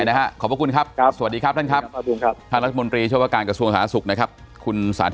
แต่เหนียวที่ไม่จะเจอพวกมักก็อาจจะพอป้า